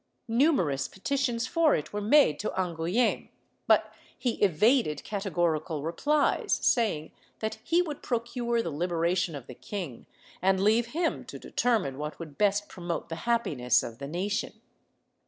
Numerous petitions for it were made to Angouleme, but he evaded categorical replies, saying that he would procure the liberation of the king and leave him to determine what would best promote the happiness of the nation.